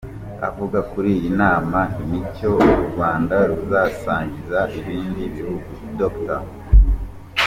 Avuga kuri iyi nama n’icyo u Rwanda ruzasangiza ibindi bihugu, Dr.